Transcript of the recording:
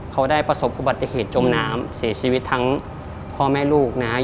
เขาได้ประสบอุบัติเหตุจมน้ำเสียชีวิตทั้งพ่อแม่ลูกนะครับ